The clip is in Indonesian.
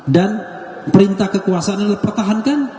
dan perintah kekuasaan yang dipertahankan